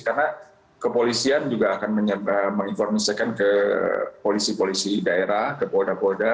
karena kepolisian juga akan menginformasikan ke polisi polisi daerah ke polda polda